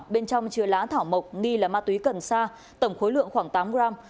bên trong chứa lá thảo mộc nghi là ma túy cần sa tổng khối lượng khoảng tám gram